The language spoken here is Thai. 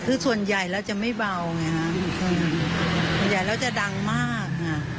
คือส่วนใหญ่แล้วจะไม่เบาไงฮะส่วนใหญ่แล้วจะดังมาก